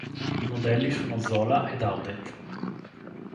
I modelli sono Zola e Daudet.